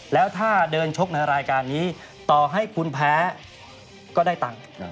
แล้วถ้าเดินชกในรายการนี้ต่อให้คุณแพ้ก็ได้ตังค์